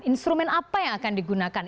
instrumen apa yang akan digunakan